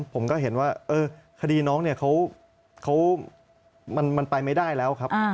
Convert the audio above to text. ผมก็เห็นว่าคดีน้องเนี่ยมันไปไม่ได้แล้วครับ